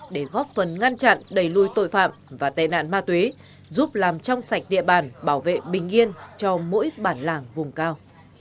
để góp phần ngăn chặn đẩy lùi tội phạm và tệ nạn ma túy giúp làm trong sạch địa bàn bảo vệ bình yên cho mỗi bản làng vùng cao